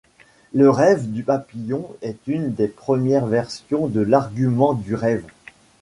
Le rêve du papillon est une des premières versions de l'argument du rêve.